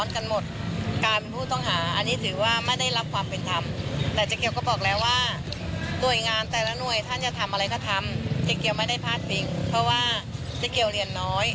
ความเป็นธรรมและก็ปลอดภัย